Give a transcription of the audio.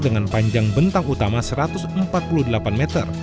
dengan panjang bentang utama satu ratus empat puluh delapan meter